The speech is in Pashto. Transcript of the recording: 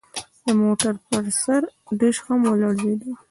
د موټر پر سر ډیش هم ولړزید